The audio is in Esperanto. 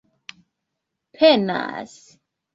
penas